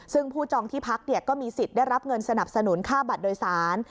ซึ่งผู้จองที่พักก็มีสิทธิ์ได้รับเงินสนับสนุนค่าบัตรโดยสาร